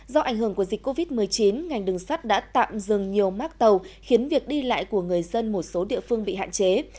do ảnh hưởng của dịch covid một mươi chín ngành đường sắt đã tạm dừng nhiều mác tàu khiến việc đi lại của người dân một số địa phương bị hạn chế